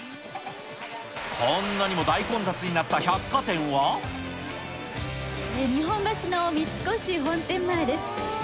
こんなにも大混雑になった百日本橋の三越本店前です。